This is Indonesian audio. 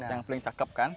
yang paling cakep kan